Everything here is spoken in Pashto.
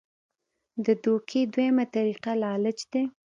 د دوکې دویمه طريقه لالچ دے -